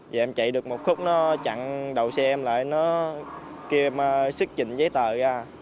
và em chạy được một khúc nó chặn đầu xe em lại nó kêu em xức trình giấy tờ ra